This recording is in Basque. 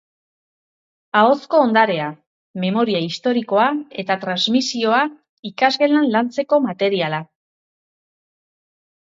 Ahozko ondarea, memoria historikoa eta transmisioa ikasgelan lantzeko materiala.